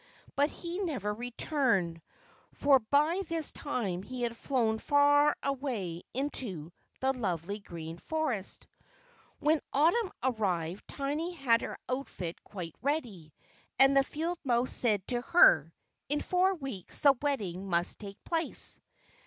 But he never returned; for by this time he had flown far away into the lovely green forest. When Autumn arrived, Tiny had her outfit quite ready; and the field mouse said to her: "In four weeks the wedding must take place."